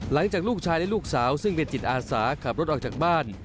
หลังจากลูกชายและลูกสาวซึ่งเป็นจิตอาสาขับรถออกจากบ้าน